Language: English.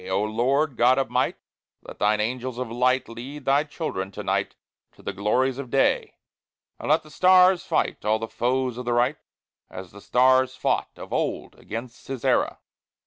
O Lord, God of might, let thine angels of light Lead thy children to night to the glories of day! And let thy stars fight all the foes of the Right As the stars fought of old against Sisera."